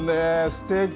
すてき。